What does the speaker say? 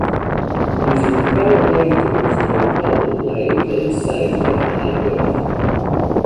Using power lathe tools on a pole lathe is safe, but hard work.